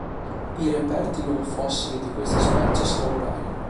I reperti non fossili di questa specie sono rari.